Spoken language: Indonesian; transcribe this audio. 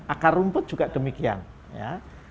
akar rumput juga demikian ya